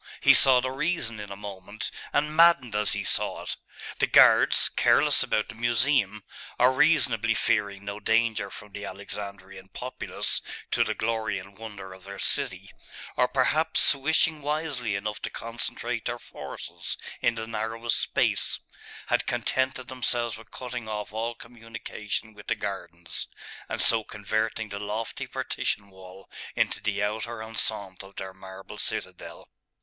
He saw the reason in a moment, and maddened as he saw it. The guards, careless about the Museum, or reasonably fearing no danger from the Alexandrian populace to the glory and wonder of their city, or perhaps wishing wisely enough to concentrate their forces in the narrowest space, had contented themselves with cutting off all communication with the gardens, and so converting the lofty partition wall into the outer enceinte of their marble citadel.